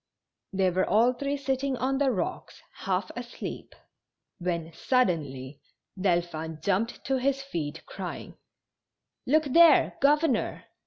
They were all three sitting on the rocks half asleep, when suddenly Delphin jumped to his feet, crying: " Look there, governor